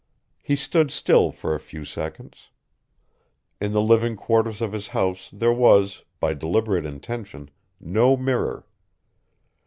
He stood still for a few seconds. In the living quarters of his house there was, by deliberate intention, no mirror.